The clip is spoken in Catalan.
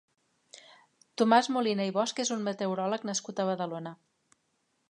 Tomàs Molina i Bosch és un meteoròleg nascut a Badalona.